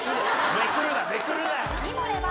めくるなめくるな！